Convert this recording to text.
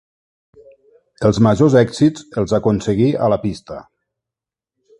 Els majors èxits els aconseguí a la pista.